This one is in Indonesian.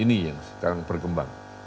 ini yang sekarang perkembang